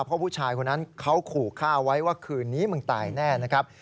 เพราะผู้ชายคนนั้นเขาขู่ฆ่าไว้ว่าคืนนี้มึงตายแน่นะครับ